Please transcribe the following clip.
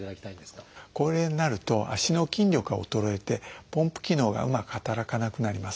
高齢になると足の筋力が衰えてポンプ機能がうまく働かなくなります。